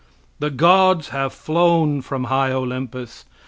The gods have flown from high Olympus.